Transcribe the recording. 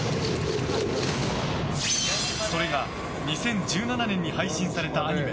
それが、２０１７年に配信されたアニメ